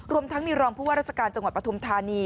รวมทั้งมีรองพุพระรัชกาลจังหวัดประธุมธานี